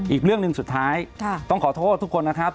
อีกเรื่องหนึ่งสุดท้ายต้องขอโทษทุกคนนะครับ